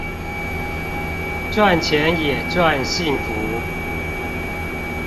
賺錢也賺幸福